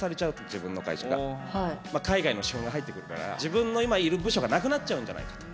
海外の資本が入ってくるから自分の今いる部署がなくなっちゃうんじゃないかと。